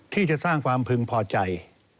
ที่จะสร้างความพึงพอใจ